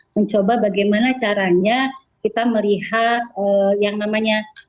mencoba bagaimana caranya kita melihat yang namanya